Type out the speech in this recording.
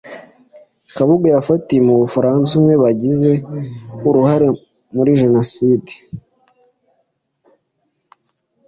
Kabuga yafatiwe mu bufaransa umwe bagize uruhare muri jenoside